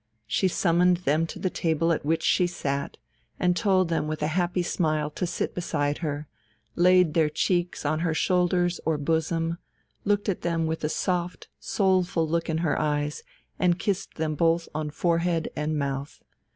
She summoned them to the table at which she sat, and told them with a happy smile to sit beside her, laid their cheeks on her shoulders or bosom, looked at them with a soft, soulful look in her eyes and kissed them both on forehead and mouth.